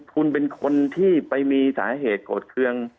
คุณเป็นคนที่ไปมีสาเหตุโกรธเครื่อง